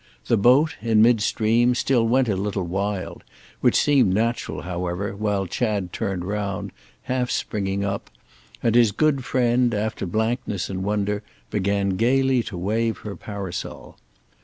The boat, in mid stream, still went a little wild—which seemed natural, however, while Chad turned round, half springing up; and his good friend, after blankness and wonder, began gaily to wave her parasol.